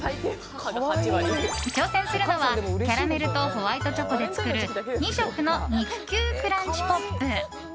挑戦するのは、キャラメルとホワイトチョコで作る２色のにくきゅうクランチポップ。